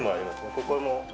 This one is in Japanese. ここも。